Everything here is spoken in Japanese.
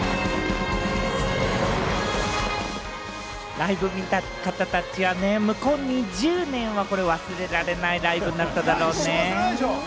ライブ見た方たちはね、向こう２０年は忘れられないライブになっただろうね。